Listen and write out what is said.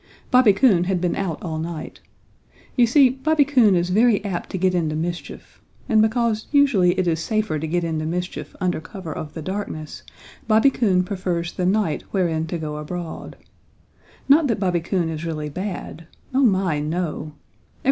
Bobby Coon had been out all night. You see Bobby Coon is very apt to get into mischief, and because usually it is safer to get into mischief under cover of the darkness Bobby Coon prefers the night wherein to go abroad. Not that Bobby Coon is really bad! Oh my, no!